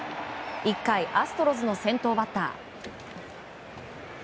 １回、アストロズの先頭バッター。